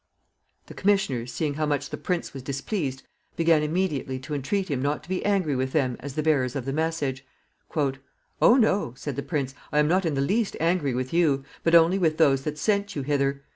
The commissioners, seeing how much the prince was displeased, began immediately to entreat him not to be angry with them as the bearers of the message. "Oh no," said the prince, "I am not in the least angry with you, but only with those that sent you hither.